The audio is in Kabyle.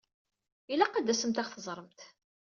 Ilaq ad tasemt ad ɣ-teẓṛemt!